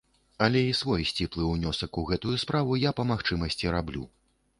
Але і свой сціплы ўнёсак у гэтую справу я па магчымасці раблю.